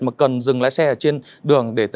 mà cần dừng lái xe trên đường để